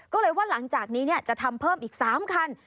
ก็เลยว่าหลังจากนี้จะทำเพิ่มอีก๓คัน